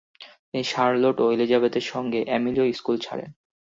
তিনি শার্লট ও এলিজাবেথের সঙ্গে এমিলিও স্কুল ছাড়েন।